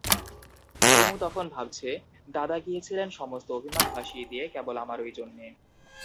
কুমু তখন ভাবছে– দাদা গিয়েছিলেন সমস্ত অভিমান ভাসিয়ে দিয়ে, কেবল আমারই জন্যে!